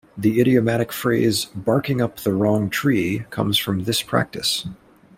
The idiomatic phrase "Barking up the wrong tree" comes from this practice.